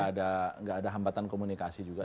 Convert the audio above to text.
nggak ada hambatan komunikasi juga